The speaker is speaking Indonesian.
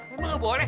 emang gak boleh